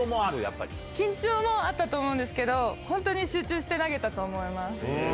緊張もあったと思うんですけど、本当に集中して投げたと思います。